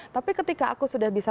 tapi ketika aku sudah bisa